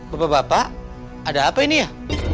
bapak bapak ada apa ini ya